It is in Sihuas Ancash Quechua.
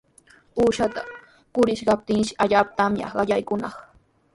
Uqshata quriykaptinshi allaapa tamya qallaykunaq.